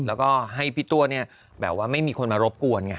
แล้วก็ให้พี่ตัวเนี่ยแบบว่าไม่มีคนมารบกวนไง